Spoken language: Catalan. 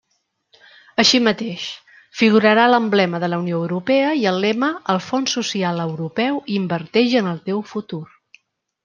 Així mateix, figurarà l'emblema de la Unió Europea i el lema «El Fons Social Europeu inverteix en el teu futur».